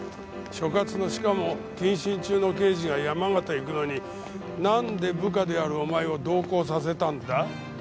所轄のしかも謹慎中の刑事が山形行くのになんで部下であるお前を同行させたんだ？